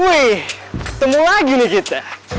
wih ketemu lagi nih kita